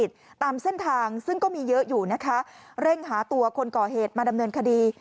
ตามเส้นทางซึ่งก็มีเยอะอยู่นะคะเร่งหาตัวคนก่อเหตุมาดำเนินคดี